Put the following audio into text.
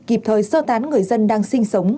kịp thời sơ tán người dân đang sinh sống